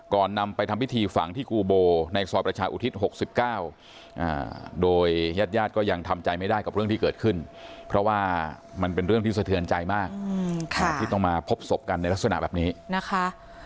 นำไปทำพิธีฝังที่กูโบในซอยประชาอุทิศ๖๙โดยญาติญาติก็ยังทำใจไม่ได้กับเรื่องที่เกิดขึ้นเพราะว่ามันเป็นเรื่องที่สะเทือนใจมากที่ต้องมาพบศพกันในลักษณะแบบนี้นะคะ